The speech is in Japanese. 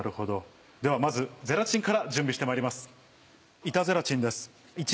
ではまずゼラチンから準備してまいります。